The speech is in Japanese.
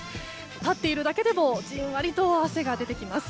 立っているだけでもじんわりと汗が出てきます。